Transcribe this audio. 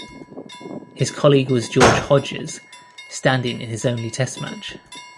His colleague was George Hodges, standing in his only Test match.